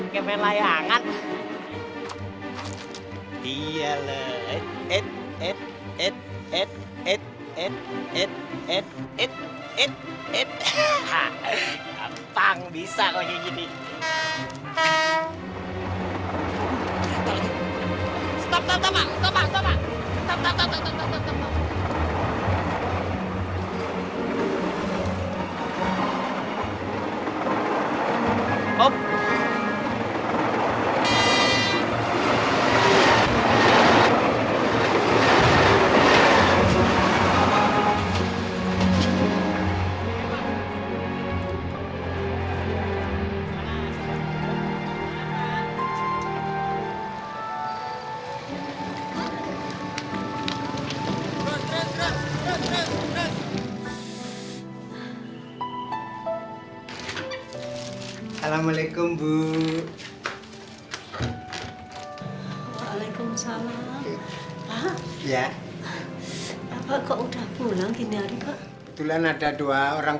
kamu pasti bahagia